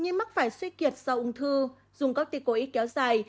nhưng mắc phải suy kiệt sau ung thư dùng các tiết cố ý kéo dài